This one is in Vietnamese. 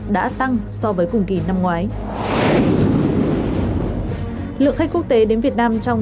đã tăng so với cùng kỳ năm ngoái lượng khách quốc tế đến việt nam trong